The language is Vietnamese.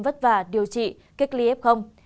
vất vả điều trị kết lý ép không